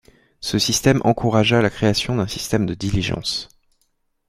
Ce système encouragea la création d'un système de diligences.